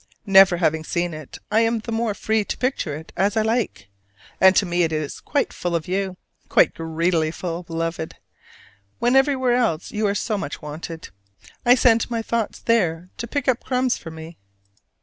Never having seen it I am the more free to picture it as I like: and to me it is quite full of you: quite greedily full, Beloved, when elsewhere you are so much wanted! I send my thoughts there to pick up crumbs for me.